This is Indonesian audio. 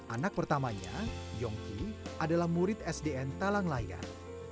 anak pertamanya yongki adalah murid sdn talanglayan